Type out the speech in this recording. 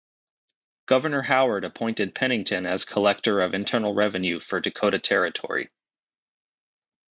Governor Howard appointed Pennington as collector of internal revenue for Dakota Territory.